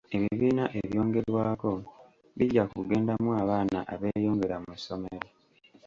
Ebibiina ebyongerwako bijja kugendamu abaana abeeyongera mu ssomero.